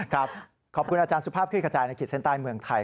ขอบคุณอาจารย์สุภาพคลิกขจายในขีดเส้นใต้เมืองไทย